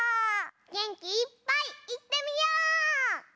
げんきいっぱいいってみよ！